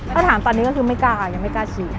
ถ้าถามตอนนี้ก็คือไม่กล้าค่ะยังไม่กล้าฉีด